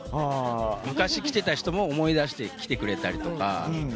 昔来てた人も思い出して来てくれたりとか。